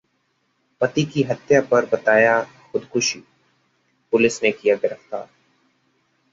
पति की हत्या कर बताया खुदकुशी, पुलिस ने किया गिरफ्तार